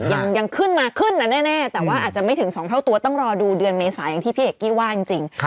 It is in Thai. ยังขึ้นมาขึ้นนะแน่แต่ว่าอาจจะไม่ถึง๒เท่าตัวต้องรอดูเดือนเมษาอย่างที่พี่เอกกี้ว่าจริง